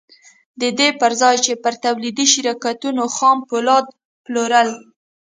د دې پر ځای يې پر توليدي شرکتونو خام پولاد پلورل.